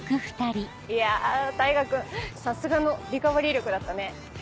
いや大牙君さすがのリカバリー力だったね。